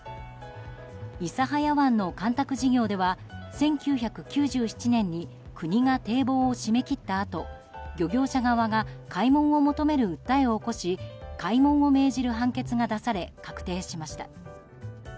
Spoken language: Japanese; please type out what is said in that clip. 諫早湾の干拓事業では１９９７年に国が堤防を閉め切ったあと漁業者側が開門を求める訴えを起こし開門を命じる判決が出され確定しました。